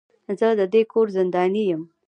زه د دې کور زنداني يم.